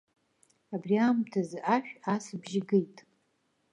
Абри аамҭазы, ашә асбжьы геит.